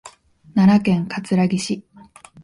奈良県葛城市